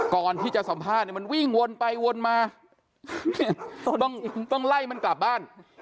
ก่อนที่จะสัมภาษณ์เนี่ยมันวิ่งวนไปวนมาต้องไล่มันกลับบ้าน